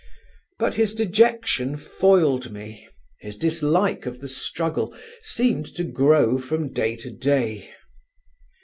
But his dejection foiled me: his dislike of the struggle seemed to grow from day to day.